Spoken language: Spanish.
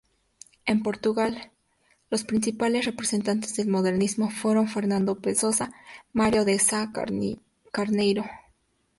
En Portugal, los principales representantes del modernismo fueron Fernando Pessoa, Mário de Sá-Carneiro.